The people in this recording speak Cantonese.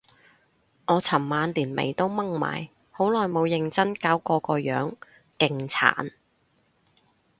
我尋晚連眉都掹埋，好耐冇認真搞過個樣，勁殘